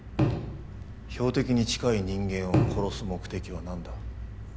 標的に近い人間を殺す目的はなんだ？